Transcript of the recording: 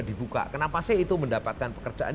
dibuka kenapa sih itu mendapatkan pekerjaan